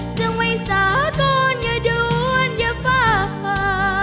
ซึ่งไว้สากลอย่าด้วยอย่าเฝ้า